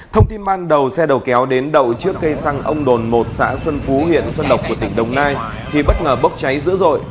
thông tin ban đầu xe đầu kéo đến đầu trước cây xăng ông đồn một xã xuân phú huyện xuân lộc của tỉnh đồng nai thì bất ngờ bốc cháy dữ dội